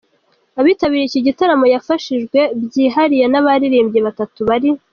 abitabiriye iki gitaramo, yafashishijwe byihariye n’abaririmbyi batatu bari.